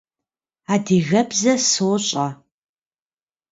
Adıgebze soş'e.